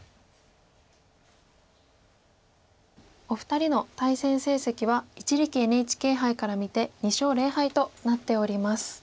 お二人の対戦成績は一力ＮＨＫ杯から見て２勝０敗となっております。